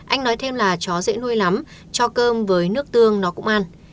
anh nói thêm là chó dễ nuôi lắm cho cơm với nước tương nó cũng ăn